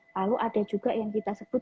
lalu ada juga yang kita sebut